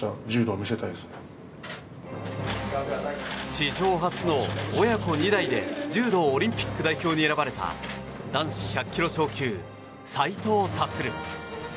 史上初の親子２代で柔道オリンピック代表に選ばれた男子１００ｋｇ超級、斉藤立。